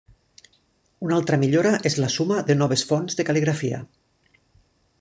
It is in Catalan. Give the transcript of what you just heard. Una altra millora és la suma de noves fonts de cal·ligrafia.